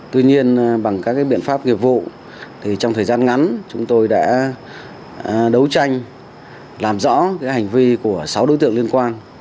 tuy nhiên bằng các biện pháp nghiệp vụ trong thời gian ngắn chúng tôi đã đấu tranh làm rõ hành vi của sáu đối tượng liên quan